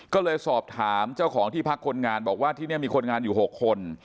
ก็เลยสอบถามเจ้าของที่พักคนงานบอกว่าที่นี่มีคนงานอยู่๖คน